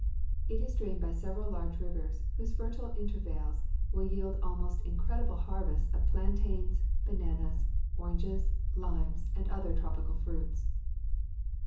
It is drained by sev eral large rivers whose fertile intervales will yield almost incred ible harvests of plantains, bananas, oranges, limes, and other tropical fruits.